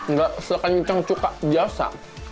nggak sekencang cukah biasa